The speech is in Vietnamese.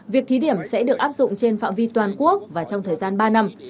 việc thí điểm sẽ được áp dụng trên phạm vi toàn quốc và trong thời gian ba năm